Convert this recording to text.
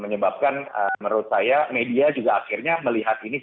menyebabkan menurut saya media juga akhirnya melihat ini